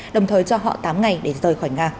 đồng thời cho họ tám ngày để rời khỏi nga